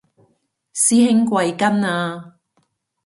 師兄貴庚啊